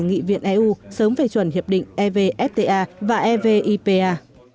nghị viện eu sớm phê chuẩn hiệp định evfta và evipa